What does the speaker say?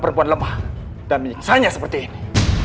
perempuan lemah dan menyisanya seperti ini